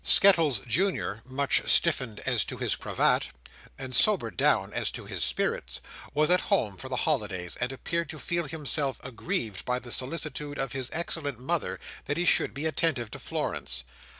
Skettles Junior, much stiffened as to his cravat, and sobered down as to his spirits, was at home for the holidays, and appeared to feel himself aggrieved by the solicitude of his excellent mother that he should be attentive to Florence.